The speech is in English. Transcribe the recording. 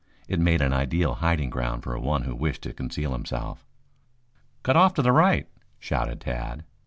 It made an ideal hiding ground for one who wished to conceal himself. "Cut off to the right," shouted Tad.